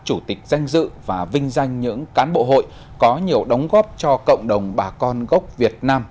chủ tịch danh dự và vinh danh những cán bộ hội có nhiều đóng góp cho cộng đồng bà con gốc việt nam